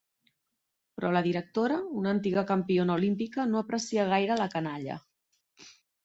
Però la directora, una antiga campiona olímpica, no aprecia gaire la canalla.